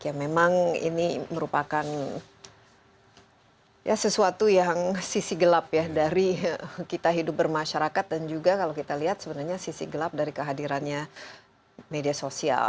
ya memang ini merupakan sesuatu yang sisi gelap ya dari kita hidup bermasyarakat dan juga kalau kita lihat sebenarnya sisi gelap dari kehadirannya media sosial